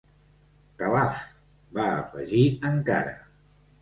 Calaf!, va afegir encara.